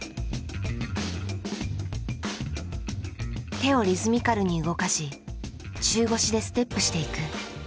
手をリズミカルに動かし中腰でステップしていく。